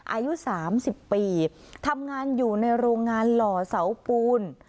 อายุ๓๐ปีทำงานอยู่ในโรงงานหล่อเสาปูน